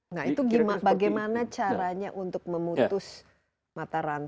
nah itu bagaimana caranya untuk memutus mata rantai